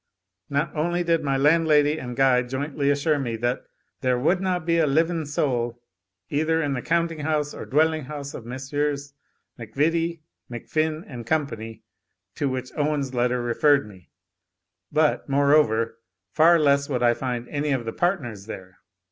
Not only did my landlady and guide jointly assure me that "there wadna be a living soul either in the counting house or dwelling house of Messrs. MacVittie, MacFin, and Company," to which Owen's letter referred me, but, moreover, "far less would I find any of the partners there.